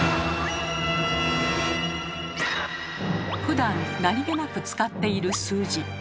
ふだん何気なく使っている数字。